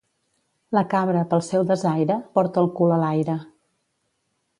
La cabra, pel seu desaire, porta el cul a l'aire.